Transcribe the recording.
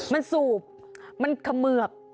มันสูบมันเขมือบ